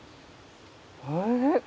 おいしい。